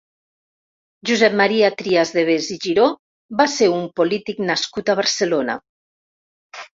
Josep Maria Trias de Bes i Giró va ser un polític nascut a Barcelona.